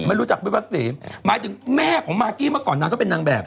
ไม่รู้จักพี่พัดศรีหมายถึงแม่ของมากี้มาก่อนก็เป็นนางแบบ